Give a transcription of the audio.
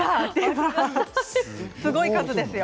すごい数ですよ。